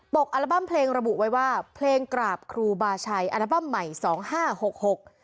กอัลบั้มเพลงระบุไว้ว่าเพลงกราบครูบาชัยอัลบั้มใหม่สองห้าหกหก